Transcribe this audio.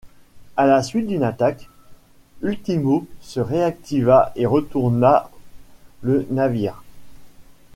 À la suite d'une attaque, Ultimo se réactiva et retourna le navire.